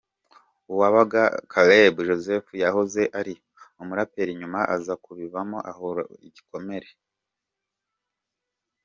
Uwagaba Caleb Joseph yahoze ari umuraperi nyuma aza kubivamo ahakura n'igikomere.